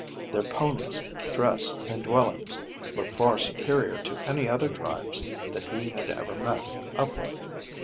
Their ponies, dress, and dwellings were far superior to any other tribes that he had ever met up with.